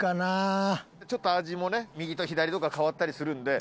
ちょっと味もね右と左とか変わったりするんで。